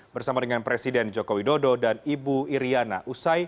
bersama dengan presiden joko widodo dan ibu iryana usai